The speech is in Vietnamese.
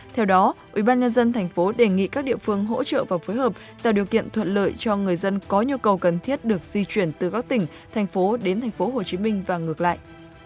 theo đó ủy ban nhân dân thành phố đề nghị các địa phương hỗ trợ và phối hợp tạo điều kiện thuận lợi cho người dân có nhu cầu cần thiết được di chuyển từ các tỉnh thành phố đến thành phố hồ chí minh và ngược lại